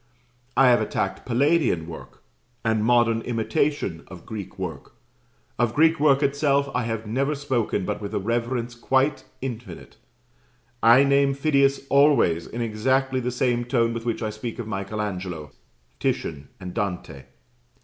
I have attacked Palladian work, and modern imitation of Greek work. Of Greek work itself I have never spoken but with a reverence quite infinite: I name Phidias always in exactly the same tone with which I speak of Michael Angelo, Titian, and Dante.